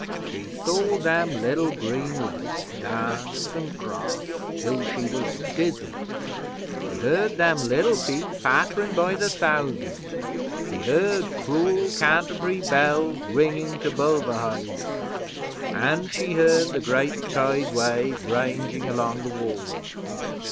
'She saw them liddle green lights dance an' cross till she was dizzy; she heard them liddle feet patterin' by the thousand; she heard cruel Canterbury Bells ringing to Bulverhithe, an' she heard the great Tide wave ranging along the Wall.